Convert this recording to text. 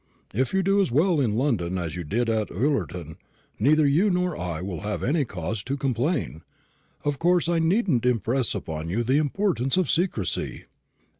If you do as well in London as you did at Ullerton, neither you nor I will have any cause to complain. Of course I needn't impress upon you the importance of secrecy."